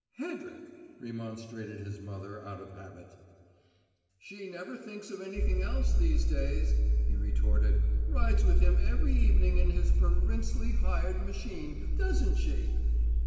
"Hedrick!" remonstrated his mother, out of habit. "She never thinks of anything else these days," he retorted. "Rides with him every evening in his pe rin sley hired machine, doesn't she?"